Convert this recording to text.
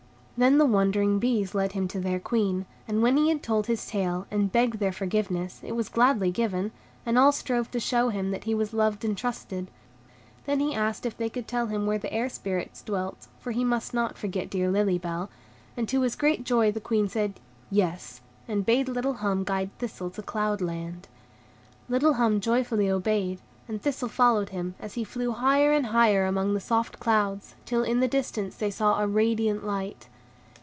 Then the wondering bees led him to their Queen, and when he had told his tale, and begged their forgiveness, it was gladly given; and all strove to show him that he was loved and trusted. Then he asked if they could tell him where the Air Spirits dwelt, for he must not forget dear Lily Bell; and to his great joy the Queen said, "Yes," and bade little Hum guide Thistle to Cloud Land. Little Hum joyfully obeyed; and Thistle followed him, as he flew higher and higher among the soft clouds, till in the distance they saw a radiant light.